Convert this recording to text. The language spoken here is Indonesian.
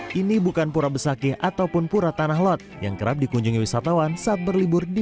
hai ini bukan pura besakih ataupun pura tanah lot yang kerap dikunjungi wisatawan saat berlibur di